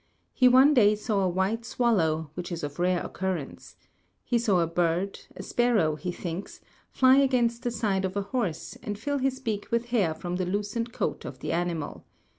He one day saw a white swallow, which is of rare occurrence. He saw a bird, a sparrow, he thinks, fly against the side of a horse and fill his beak with hair from the loosened coat of the animal.